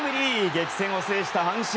激戦を制した阪神。